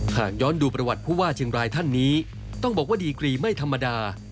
หากย้อนดูประวัติผู้ว่าเชียงรายท่านนี้ต้องบอกว่าดีกรีไม่ธรรมดา